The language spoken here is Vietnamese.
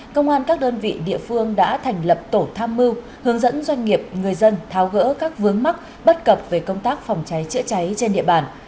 công an các đơn vị địa phương đã thành lập tổ tham mưu hướng dẫn doanh nghiệp người dân tháo gỡ các vướng mắc bất cập về công tác phòng cháy chữa cháy trên địa bàn